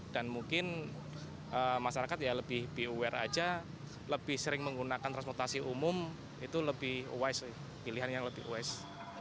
dan mungkin masyarakat ya lebih be aware aja lebih sering menggunakan transmutasi umum itu lebih wise pilihan yang lebih wise